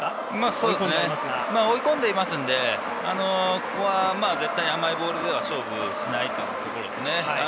そうですね、追い込んでいますんでここは絶対に甘いボールでは勝負しないというところですね。